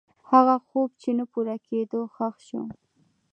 هغه خوب چې نه پوره کېده، ښخ شو.